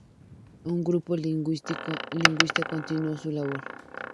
Un grupo lingüista continuó su labor.